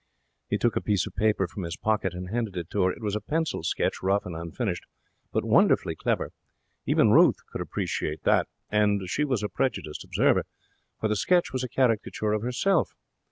He took a piece of paper from his pocket and handed it her. It was a pencil sketch, rough and unfinished, but wonderfully clever. Even Ruth could appreciate that and she was a prejudiced observer, for the sketch was a caricature of herself.